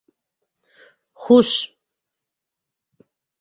Хуш.